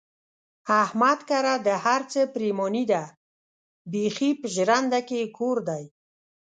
احمد کره د هر څه پرېماني ده، بیخي په ژرنده کې یې کور دی.